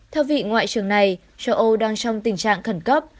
theo vị ngoại trưởng này châu âu đang trong tình trạng khẩn cấp